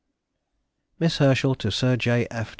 MISS HERSCHEL TO SIR J.